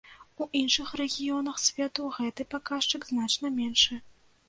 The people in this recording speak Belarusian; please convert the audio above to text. У іншых рэгіёнах свету гэты паказчык значна меншы.